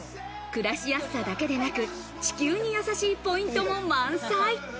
暮らしやすさだけでなく、地球にやさしいポイントも満載。